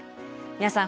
皆さん